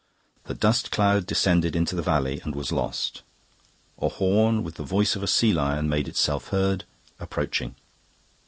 The dust cloud descended into the valley and was lost. A horn with the voice of a sea lion made itself heard, approaching.